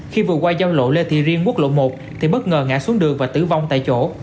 khi vừa qua giao lộ lê thị riêng quốc lộ một thì bất ngờ ngã xuống đường và tử vong tại chỗ